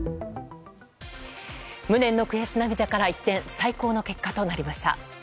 無念の悔し涙から一転最高の結果となりました。